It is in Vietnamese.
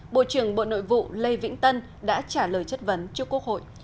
bộ trưởng bộ nội vụ lê vĩnh tân đã trả lời chất vấn trước quốc hội